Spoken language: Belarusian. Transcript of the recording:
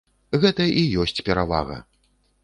Гэта і ёсць перавага.